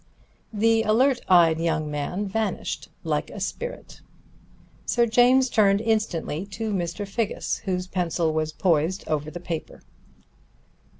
The alert eyed young man vanished like a spirit. Sir James turned instantly to Mr. Figgis, whose pencil was poised over the paper.